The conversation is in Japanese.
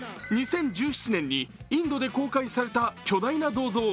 ２０１７年にインドで公開された巨大な銅像。